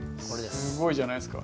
すごいじゃないですか。